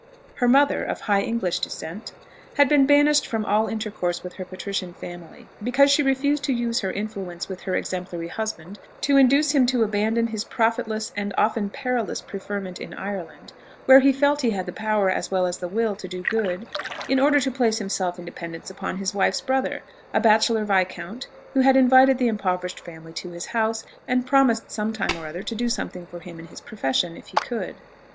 Her mother, of high English descent, had been banished from all intercourse with her patrician family, because she refused to use her influence with her exemplary husband to induce him to abandon his profitless and often perilous preferment in Ireland, where he felt he had the power as well the will to do good, in order to place himself in dependence upon his wife's brother, a bachelor viscount who had invited the impoverished family to his house, and promised some time or other to do something for him in his profession if he could.